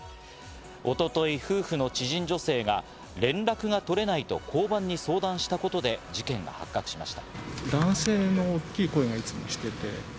一昨日、夫婦の知人女性が連絡が取れないと交番に相談したことで事件が発覚しました。